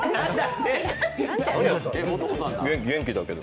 元気、元気だけど。